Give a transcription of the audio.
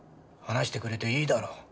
話してくれていいだろう。